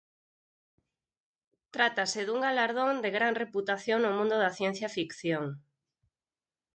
Trátase dun galardón de gran reputación no mundo da ciencia ficción.